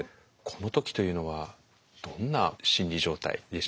この時というのはどんな心理状態でしたか？